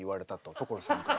所さんから。